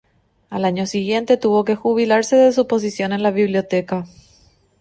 Al año siguiente tuvo que jubilarse de su posición en la Biblioteca.